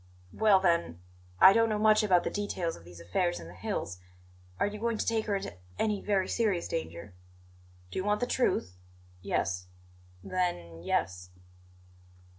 "Well, then I don't know much about the details of these affairs in the hills, are you going to take her into any very serious danger?" "Do you want the truth?" "Yes." "Then yes."